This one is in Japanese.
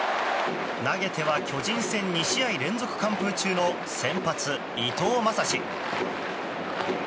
投げては巨人戦２試合連続完封中の先発、伊藤将司。